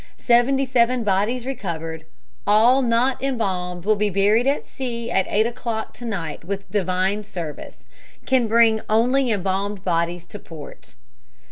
Seventy seven bodies recovered. All not embalmed will be buried at sea at 8 o'clock to night with divine service. Can bring only embalmed bodies to port."